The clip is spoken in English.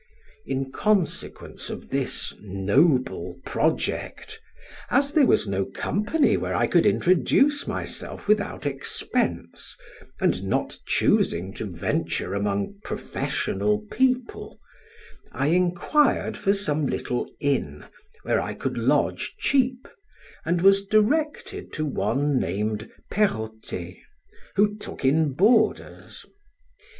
In consequence of this noble project (as there was no company where I could introduce myself without expense, and not choosing to venture among professional people), I inquired for some little inn, where I could lodge cheap, and was directed to one named Perrotet, who took in boarders.